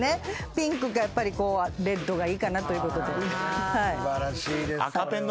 ピンクかレッドがいいかなということで。